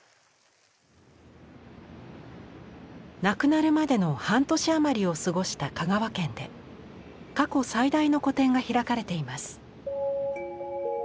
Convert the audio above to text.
亡くなるまでの半年余りを過ごした香川県で過去最大の個展が開かれています。